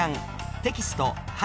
テキスト８